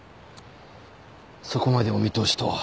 そこまでお見通しとは。